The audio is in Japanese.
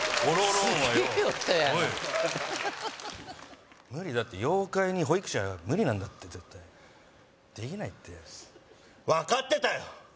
すっげえ音やな無理だって妖怪に保育士は無理なんだって絶対できないって分かってたよ